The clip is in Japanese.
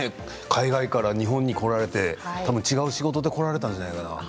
海外から日本に来られて違う仕事で来られたんじゃないですか？